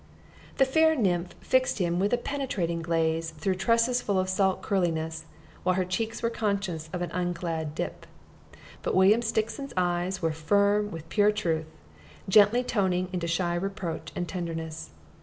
The fair nymph fixed him with a penetrating gaze through tresses full of salt curliness, while her cheeks were conscious of an unclad dip. But William Stixon's eyes were firm with pure truth, gently toning into shy reproach and tenderness.